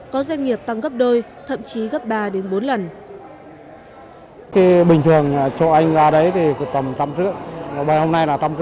có doanh nghiệp tăng gấp đôi thậm chí gấp ba đến bốn lần